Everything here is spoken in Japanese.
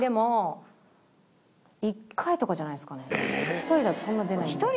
１人だとそんな出ないんで。